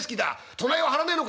隣は張らねえのか」。